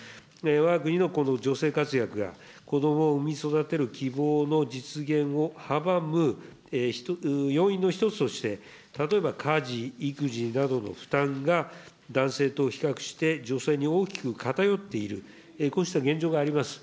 わが国の女性活躍が子どもを産み育てる希望の実現を阻む要因の一つとして、例えば、家事、育児などの負担が男性と比較して女性に大きく偏っている、こうした現状があります。